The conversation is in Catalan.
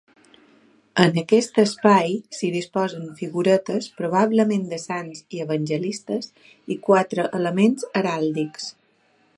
En aquest espai s'hi disposen figuretes, probablement de sants i evangelistes, i quatre emblemes heràldics.